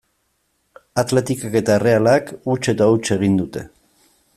Athleticek eta Errealak huts eta huts egin dute.